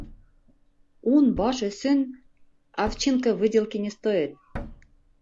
Ун баш өсөн... овчинка выделки не стоит.